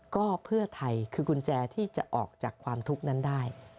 ก็เพื่อไทยคือกุญแจที่จะออกจากความทุกข์นั้นได้